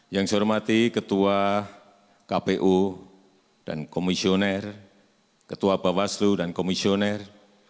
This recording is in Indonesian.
yang saya hormati ketua kpu dan komisioner ketua bawaslu dan komisioner